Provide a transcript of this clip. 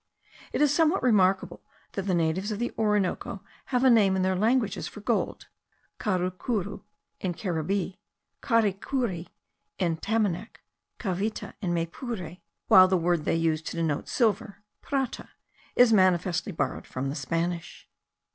It is somewhat remarkable that the natives of the Orinoco have a name in their languages for gold (carucuru in Caribbee, caricuri in Tamanac, cavitta in Maypure), while the word they use to denote silver, prata, is manifestly borrowed from the Spanish.